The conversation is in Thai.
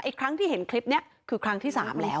ครั้งที่เห็นคลิปนี้คือครั้งที่๓แล้ว